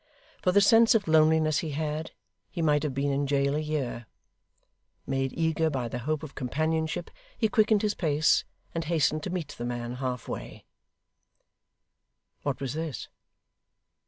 For the sense of loneliness he had, he might have been in jail a year. Made eager by the hope of companionship, he quickened his pace, and hastened to meet the man half way What was this!